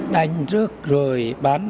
đánh trước rồi bắn